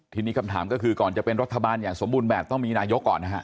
ทีนี้คำถามก็คือก่อนจะเป็นรัฐบาลอย่างสมบูรณ์แบบต้องมีนายกก่อนนะฮะ